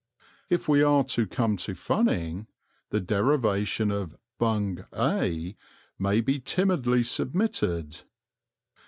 If we are to come to funning, the derivation "Bung ay" may be timidly submitted.